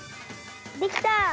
できた！